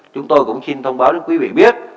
chúng tôi cũng xin thông báo đến quý vị biết